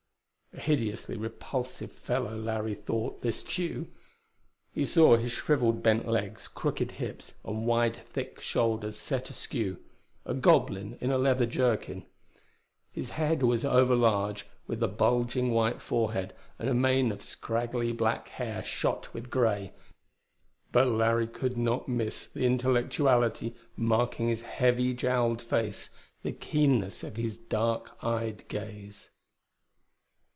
A hideously repulsive fellow, Larry thought this Tugh. He saw his shriveled, bent legs, crooked hips, and wide thick shoulders set askew a goblin, in a leather jerkin. His head was overlarge, with a bulging white forehead and a mane of scraggly black hair shot with grey. But Larry could not miss the intellectuality marking his heavy jowled face; the keenness of his dark eyed gaze.